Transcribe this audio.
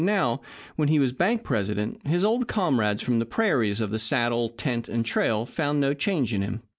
Now, when he was bank president, his old comrades from the prairies, of the saddle, tent, and trail found no change in him.